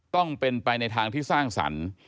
ต้องเป็นไปในทางที่สร้างสรรค์